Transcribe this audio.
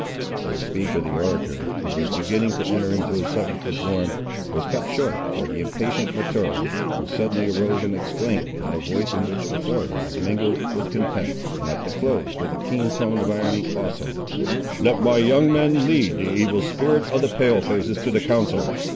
—" The speech of the orator, who was beginning to enter into his subject with warmth, was cut short by the impatient Mahtoree, who suddenly arose and exclaimed, in a voice in which authority was mingled with contempt, and at the close with a keen tone of irony, also— "Let my young men lead the evil spirit of the Palefaces to the council.